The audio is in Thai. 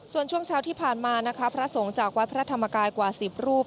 ส่วนช่วงเช้าที่ผ่านมานะคะพระสงฆ์จากวัดพระธรรมกายกว่า๑๐รูป